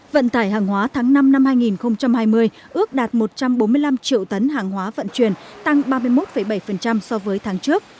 vận tải hàng hóa tháng năm năm hai nghìn hai mươi ước đạt một trăm bốn mươi năm triệu tấn hàng hóa vận chuyển tăng ba mươi một bảy so với tháng trước